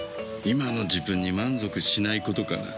今の自分に満足しないことかな。